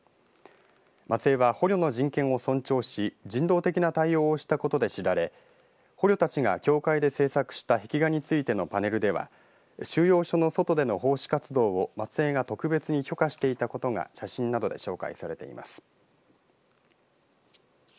松江は捕虜の人権を尊重し人道的な対応をしたことで知られ捕虜たちが教会で制作した壁画についてのパネルでは収容所の外での奉仕活動を松江が特別に許可していたことが写真などで紹介されています。